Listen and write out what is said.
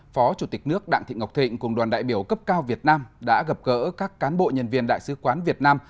phó chủ tịch nước đặng thị ngọc thịnh cùng đoàn đại biểu cấp cao việt nam đã gặp gỡ các cán bộ nhân viên đại sứ quán việt nam